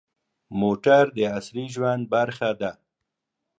موټر د عصري ژوند برخه ده.